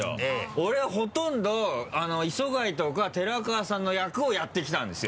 俺はほとんど磯貝とか寺川さんの役をやってきたんですよ。